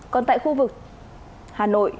còn tại khu vực hà nội